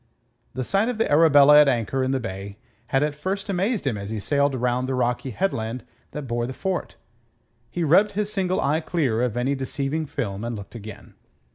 The sight of the Arabella at anchor in the bay had at first amazed him as he sailed round the rocky headland that bore the fort. He rubbed his single eye clear of any deceiving film and looked again.